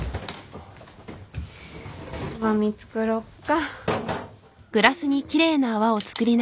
つまみ作ろっか。